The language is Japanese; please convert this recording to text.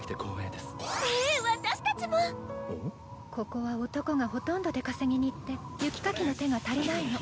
ここは男がほとんど出稼ぎに行って雪かきの手が足りないの。